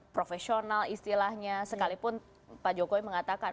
profesional istilahnya sekalipun pak jokowi mengatakan